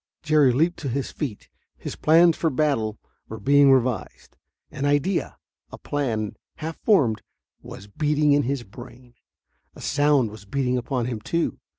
Jerry leaped to his feet. His plans for battle were being revised. An idea a plan, half formed was beating in his brain. A sound was beating upon him, too.